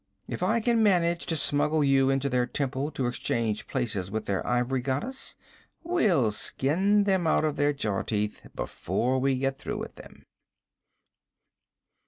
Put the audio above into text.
If I can manage to smuggle you into their temple to exchange places with their ivory goddess, we'll skin them out of their jaw teeth before we get through with them!'